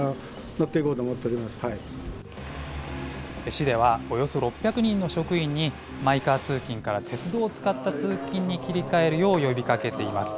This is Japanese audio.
市では、およそ６００人の職員に、マイカー通勤から鉄道を使った通勤に切り替えるよう呼びかけています。